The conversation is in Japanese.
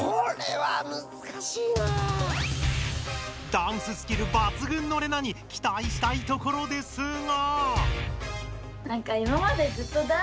ダンススキルばつぐんのレナにきたいしたいところですが。